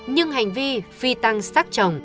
nhưng hành vi phi tăng sát chồng